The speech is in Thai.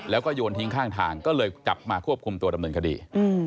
แล้วก็โยนทิ้งข้างทางก็เลยจับมาควบคุมตัวดำเนินคดี